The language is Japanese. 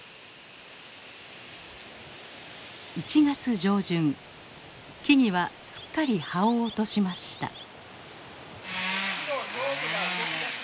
１月上旬木々はすっかり葉を落としました。